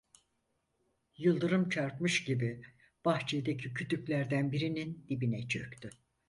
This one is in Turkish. Yıldırım çarpmış gibi bahçedeki kütüklerden birinin dibine çöktü.